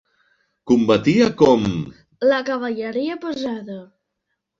Combatia com la cavalleria pesada.